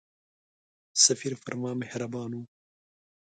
سفیر پر ما مهربان وو.